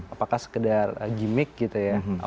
apakah sekedar gimmick gitu ya